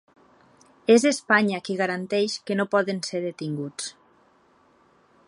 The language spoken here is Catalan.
És Espanya qui garanteix que no poden ser detinguts.